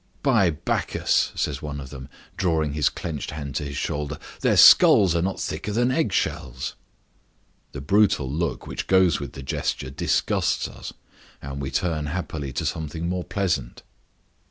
"By Bacchus!" says one of them, drawing his clenched hand to his shoulder, "their skulls are not thicker than eggshells." The brutal look which goes with the gesture disgusts us, and we turn happily to something more pleasant.